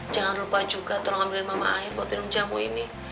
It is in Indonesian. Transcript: jangan lupa juga tolong ambil mama air buat minum jamu ini